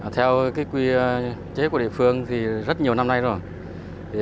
theo quy chế của địa phương thì rất nhiều năm nay rồi